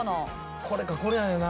これかこれだよな。